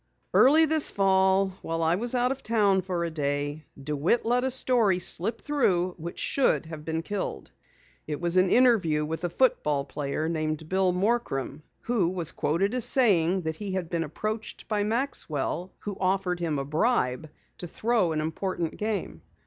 "Early this fall, while I was out of town for a day DeWitt let a story slip through which should have been killed. It was an interview with a football player named Bill Morcrum who was quoted as saying that he had been approached by Maxwell who offered him a bribe to throw an important game."